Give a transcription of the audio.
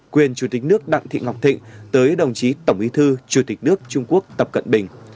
quyền chủ tịch nước đặng thị ngọc thịnh tới đồng chí tổng bí thư chủ tịch nước trung quốc tập cận bình